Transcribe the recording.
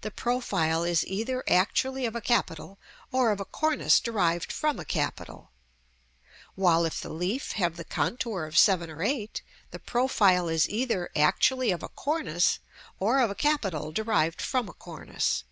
the profile is either actually of a capital, or of a cornice derived from a capital; while, if the leaf have the contour of 7 or 8, the profile is either actually of a cornice or of a capital derived from a cornice.